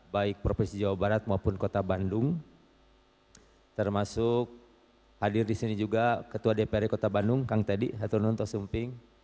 baik provinsi jawa barat maupun kota bandung termasuk hadir disini juga ketua dpr kota bandung kang tedi hatunun tosumping